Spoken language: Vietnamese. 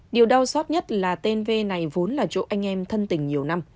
điều đau xót nhất là tên v này vốn là chỗ anh em thân tình nhiều năm